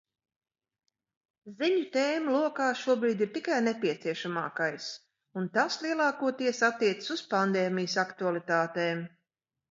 Ziņu tēmu lokā šobrīd ir tikai nepieciešamākais, un tas lielākoties attiecas uz pandēmijas aktualitātēm.